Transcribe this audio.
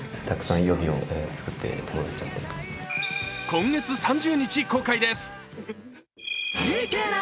今月３０日公開です。